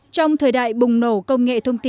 trong thời đại bùng nổ công nghệ thông tin